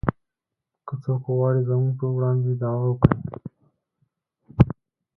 که څوک وغواړي زموږ په وړاندې دعوه وکړي